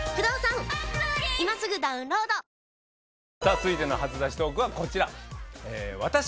続いての初出しトークはこちら。